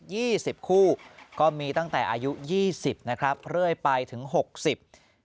สิบคู่ก็มีตั้งแต่อายุยี่สิบนะครับเรื่อยไปถึงหกสิบ